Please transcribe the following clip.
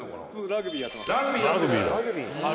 「ラグビーやってる」